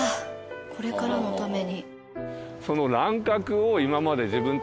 これからのために。